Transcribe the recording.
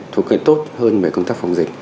thuộc kênh tốt hơn về công tác phòng dịch